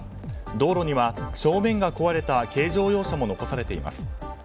道路には正面が壊れた軽乗用車も残されています。